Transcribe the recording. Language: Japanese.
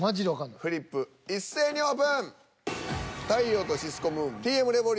フリップ一斉にオープン。